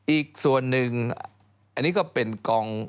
อีกส่วนหนึ่งอันนี้ก็เป็นกอง